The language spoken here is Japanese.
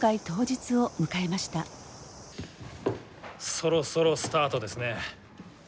そろそろスタートですね。